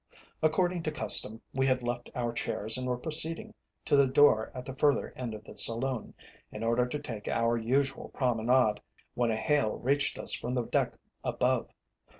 According to custom, we had left our chairs and were proceeding to the door at the further end of the saloon, in order to take our usual promenade, when a hail reached us from the deck above.